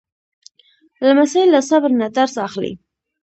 لمسی له صبر نه درس اخلي.